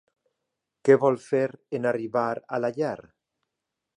Què vol fer en arribar a la llar?